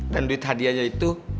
dan duit hadiahnya itu